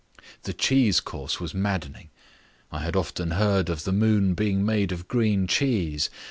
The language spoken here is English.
The cheese course was maddening. I had often heard of the moon being made of green cheese.